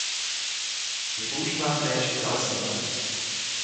Je používán též k zalesňování.